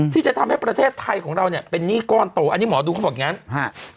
ที่จะทำให้ประเทศไทยของเราเนี่ยเป็นหนี้ก้อนโตอันนี้หมอดูเขาบอกอย่างงั้นฮะ